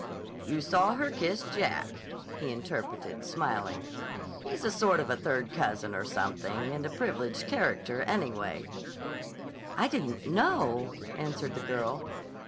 "You saw her kiss Jack," he interpreted, smiling. "He's a sort of a third cousin or something, and a privileged character, anyway." "I didn't know," answered the girl.